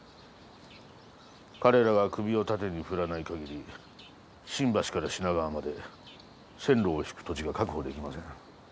彼らが首を縦に振らないかぎり新橋から品川まで線路を敷く土地が確保できません。